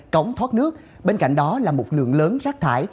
cống thoát nước bên cạnh đó là một lượng lớn rác thải